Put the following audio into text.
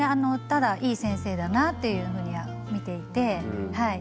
ただいい先生だなっていうふうには見ていてはい。